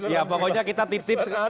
ya pokoknya kita tips tips